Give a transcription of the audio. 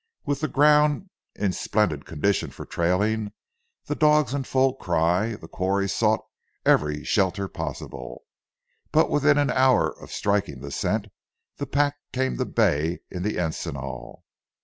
With the ground ill splendid condition for trailing, the dogs in full cry, the quarry sought every shelter possible; but within an hour of striking the scent, the pack came to bay in the encinal.